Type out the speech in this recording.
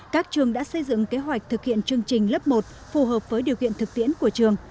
các trường đã xây dựng kế hoạch thực hiện chương trình lớp một phù hợp với điều kiện thực tiễn của trường